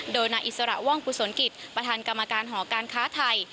โดยนายอิสระว่องกุศลกิจประธานกรรมการหอการค้าไทย